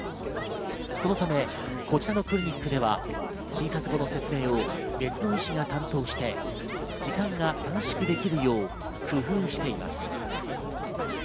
そのため、こちらのクリニックでは診察後の説明を別の医師が担当して、時間が短縮できるよう工夫しています。